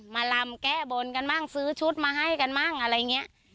มาลำแก้บนกันบ้างซื้อชุดมาให้กันบ้างอะไรเงี้ย